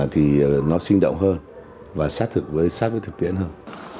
thì nó sinh động hơn và sát thực với thực tiễn hơn